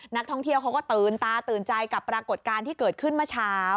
นักท่องเที่ยวเขาก็ตื่นตาตื่นใจกับปรากฏการณ์ที่เกิดขึ้นเมื่อเช้า